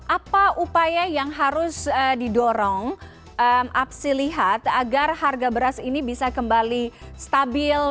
apa upaya yang harus didorong apsi lihat agar harga beras ini bisa kembali stabil